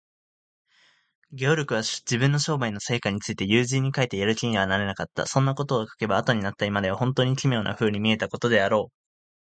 ゲオルクは、自分の商売の成果について友人に書いてやる気にはなれなかった。そんなことを書けば、あとになった今では、ほんとうに奇妙なふうに見えたことであろう。